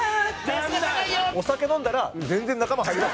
お酒飲んだら全然仲間。